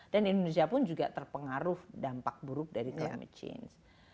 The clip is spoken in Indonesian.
dan indonesia pun juga terpengaruh dampak buruk dari climate change